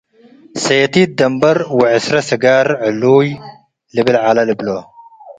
ሴቲት ደምበር ወዕስረ ስጋር ዕሉይ። ልብል ዐለ ልብሎ።